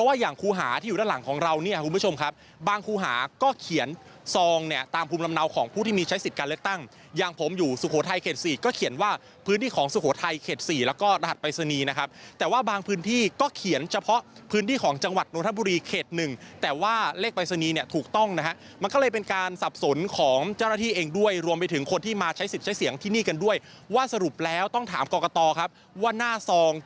ว่าพื้นที่ของสุโขทัยเขตสี่แล้วก็รหัสไปรษณีย์นะครับแต่ว่าบางพื้นที่ก็เขียนเฉพาะพื้นที่ของจังหวัดนทบุรีเขตหนึ่งแต่ว่าเลขไปรษณีย์เนี้ยถูกต้องนะฮะมันก็เลยเป็นการสับสนของเจ้าหน้าที่เองด้วยรวมไปถึงคนที่มาใช้สิทธิ์ใช้เสียงที่นี่กันด้วยว่าสรุปแล้วต้องถามกรกตรครับว่าหน้าซอง